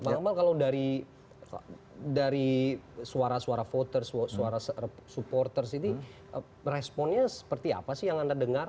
bang ambang kalau dari suara suara voter suara supporters ini responnya seperti apa sih yang anda dengar